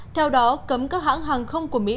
theo đó cấm các hãng hàng không của mỹ